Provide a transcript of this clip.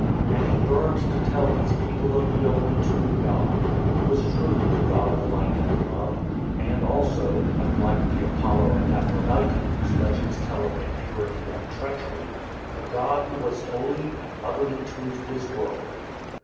And he burned to tell these people of the only true God, Who was truly the God of Light and Love, and also (unlike the Apollo and Aphrodite whose legends tell of impurity and treachery) a God who was holy and utterly true to His word.